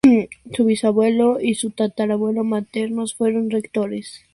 Su bisabuelo y su tatarabuelo maternos fueron rectores de la Universidad de Salamanca.